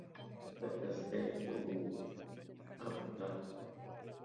ستستيقظ أبكر.